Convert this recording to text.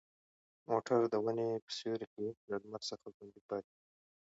موټر د ونې په سیوري کې له لمر څخه خوندي پاتې و.